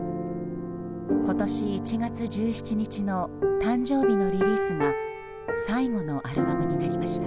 今年１月１７日の誕生日のリリースが最後のアルバムになりました。